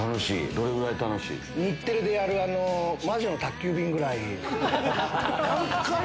楽しい？日テレでやる魔女の宅急便ぐらい。